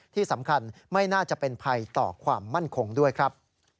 ที่สำคัญไม่น่าจะเป็นภัยต่อความมั่นคงด้วยครับ